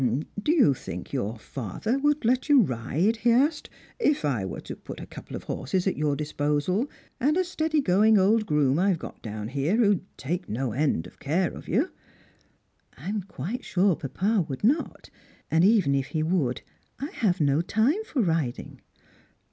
" Do you think your father would let you ride," he asked, •* if I were to prt a couple of horses at your disposal, and a 114 iitrangers and Pilgrims. steady going old groom I've got down here, who'd take no end of care of you ?" "If'.m qiaite sure papa would not; and even if he would, I have no time for riding."